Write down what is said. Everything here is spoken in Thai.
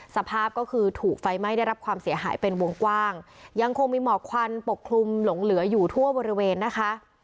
สภาพก็คือถูกไฟไหม้ได้รับความเสียหายเป็นวงกว้างยังคงมีหมอกควันปกคลุมหลงเหลืออยู่ทั่วบริเวณนะคะ